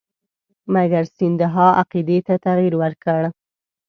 مګر سیندهیا عقیدې ته تغیر ورکړ.